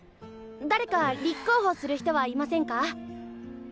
誰か立候補する人はいませんか。